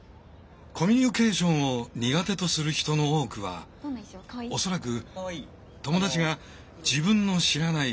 コミュニケーションを苦手とする人の多くは恐らく友達が自分の知らない